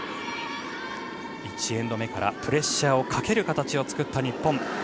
１エンド目からプレッシャーをかける形を作った日本。